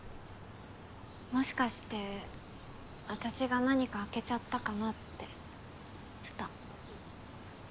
もしかして私が何か開けちゃったかなって蓋。